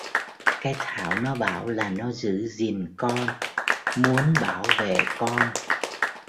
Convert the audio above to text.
Cái Thảo nó bảo là nó giữ gìn Con muốn bảo vệ con